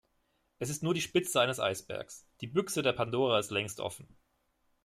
Es ist nur die Spitze eines Eisbergs. Die Büchse der Pandora ist längst offen.